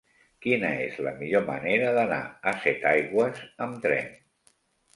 Quina és la millor manera d'anar a Setaigües amb tren?